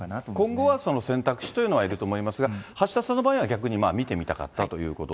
今後はその選択肢というのはいると思いますが、橋田さんの場合は逆に見てみたかったということで。